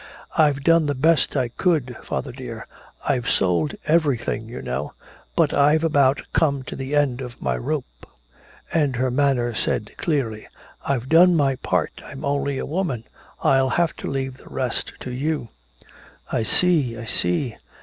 I've done the best I could, father dear I've sold everything, you know but I've about come to the end of my rope." And her manner said clearly, "I've done my part. I'm only a woman. I'll have to leave the rest to you." "I see I see."